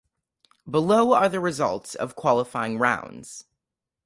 Below are the results of qualifying rounds.